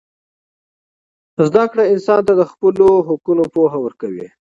زدهکړه انسان ته د خپلو حقونو پوهه ورکوي.